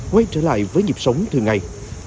quay trở lại với dịp sống thường ngày